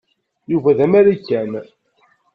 Yuba d amarikan.